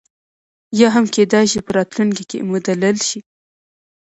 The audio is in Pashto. یا هم کېدای شي په راتلونکي کې مدلل شي.